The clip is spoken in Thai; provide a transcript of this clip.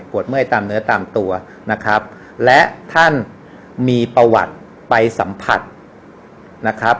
เมื่อยตามเนื้อตามตัวนะครับและท่านมีประวัติไปสัมผัสนะครับ